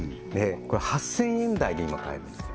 これ８０００円台で今買えるんですよ